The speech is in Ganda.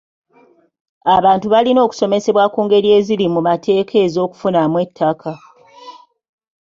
Abantu balina okusomesebwa ku ngeri eziri mu mateeka ez'okufunamu ettaka.